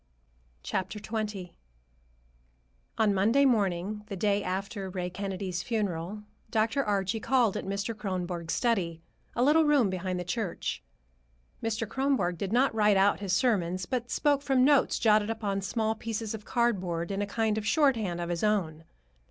XX On Monday morning, the day after Ray Kennedy's funeral, Dr. Archie called at Mr. Kronborg's study, a little room behind the church. Mr. Kronborg did not write out his sermons, but spoke from notes jotted upon small pieces of cardboard in a kind of shorthand of his own.